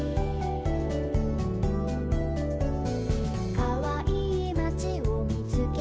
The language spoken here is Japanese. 「かわいいまちをみつけたよ」